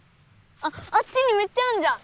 あっあっちにめっちゃあんじゃん！